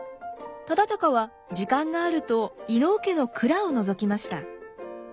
忠敬は時間があると伊能家の蔵をのぞきました。